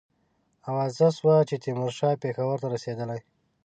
آوازه سوه چې تیمورشاه پېښور ته رسېدلی.